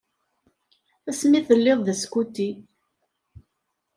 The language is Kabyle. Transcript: Ass mi telliḍ d askuti.